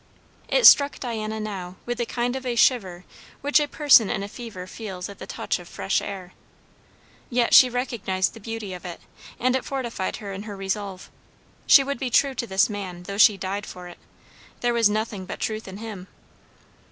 It struck Diana now with the kind of a shiver which a person in a fever feels at the touch of fresh air. Yet she recognised the beauty of it, and it fortified her in her resolve. She would be true to this man, though she died for it! There was nothing but truth in him.